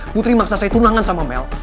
putri maksa saya tulangan sama mel